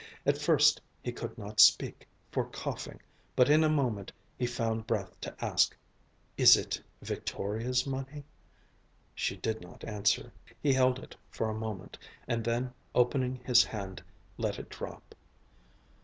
At first he could not speak, for coughing, but in a moment he found breath to ask, "Is it Victoria's money?" She did not answer. He held it for a moment, and then opening his hand let it drop.